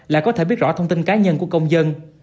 lại có thể biết rõ thông tin cá nhân của công dân